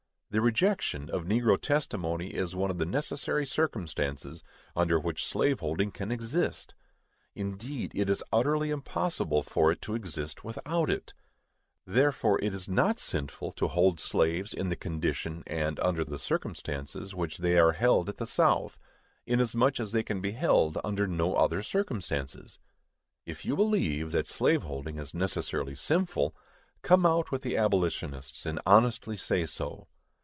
The rejection of negro testimony is one of the necessary circumstances under which slave holding can exist; indeed, it is utterly impossible for it to exist without it; therefore it is not sinful to hold slaves _in the condition and under the circumstances which they are held at the South, inasmuch as they can be held under no other circumstances_. If you believe that slave holding is necessarily sinful, come out with the abolitionists, and honestly say so.